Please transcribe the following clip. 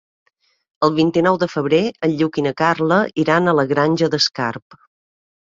El vint-i-nou de febrer en Lluc i na Carla iran a la Granja d'Escarp.